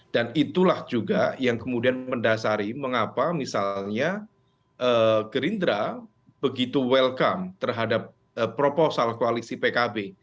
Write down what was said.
dan itulah juga yang kemudian mendasari mengapa misalnya gerindra begitu welcome terhadap proposal koalisi pkb